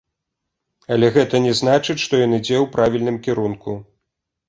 Але гэта не значыць, што ён ідзе ў правільным кірунку.